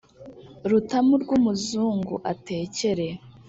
Rutamu rw'umuzungu atekere.